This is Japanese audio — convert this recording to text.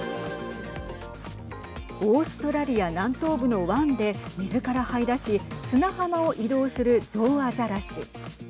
オーストラリア南東部の湾で水からはい出し砂浜を移動するゾウアザラシ。